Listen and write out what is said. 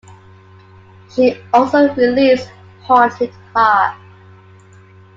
She also released Haunted Heart.